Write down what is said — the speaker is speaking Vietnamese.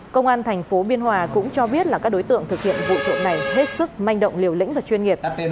công an thành phố biên hòa cũng cho biết là các đối tượng thực hiện vụ trộm này hết sức manh động liều lĩnh và chuyên nghiệp